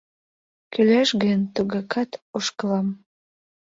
Кӱлеш гын, тугакат ошкылам.